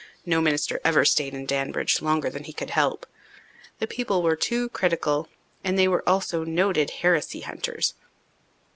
No minister ever stayed in Danbridge longer than he could help. The people were too critical, and they were also noted heresy hunters.